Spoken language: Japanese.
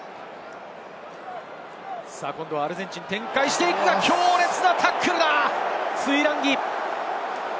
今度はアルゼンチン、展開していくが、強烈なタックルだ、トゥイランギ。